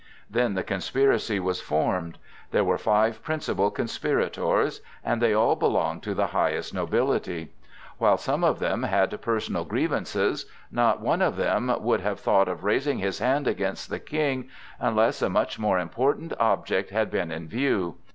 Then the conspiracy was formed. There were five principal conspirators; and they all belonged to the highest nobility. While some of them had personal grievances, not one of them would have thought of raising his hand against the King, unless a much more important object had been in view.